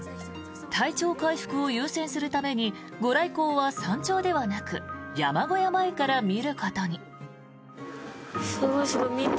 体調回復を優先するためにご来光は山頂ではなく山小屋前から見ることに。